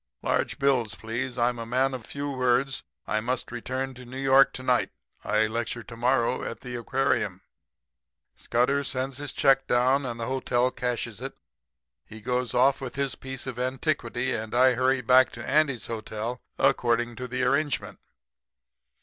'Large bills, please. I'm a man of few words. I must return to New York to night. I lecture to morrow at the aquarium.' "Scudder sends a check down and the hotel cashes it. He goes off with his piece of antiquity and I hurry back to Andy's hotel, according to arrangement.